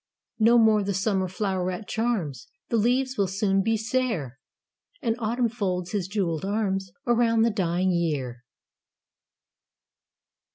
"No more the summer floweret charms, The leaves will soon be sere, And autumn folds his jeweled arms Around the dying year."